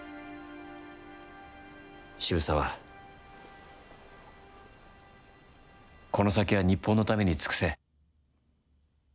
渋沢、この先は日本のために尽くせ。